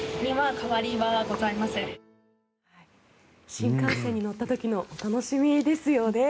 新幹線に乗った時のお楽しみですよね。